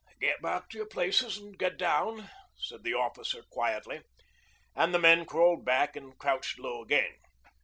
'Get back to your places and get down,' said the officer quietly, and the men crawled back and crouched low again.